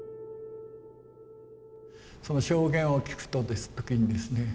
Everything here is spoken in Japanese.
証言を聞く時にですね